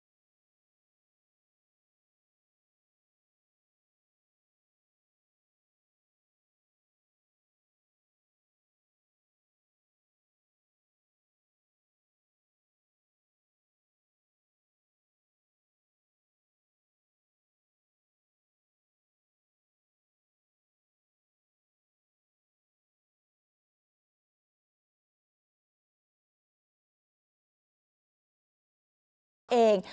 แต่ตอนที่เด็กหน้ากลิ่นตั้งจำชื่อท่าน